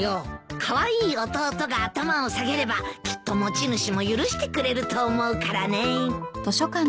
カワイイ弟が頭を下げればきっと持ち主も許してくれると思うからね。